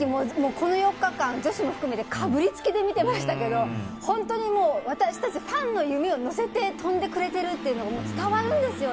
この４日間女子も含めてかぶりつきで見てましたけど本当に私たちファンの夢を乗せて跳んでくれてるっていうのが伝わるんですよね。